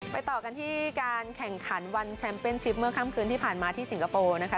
ต่อกันที่การแข่งขันวันแชมป์เป็นชิปเมื่อค่ำคืนที่ผ่านมาที่สิงคโปร์นะคะ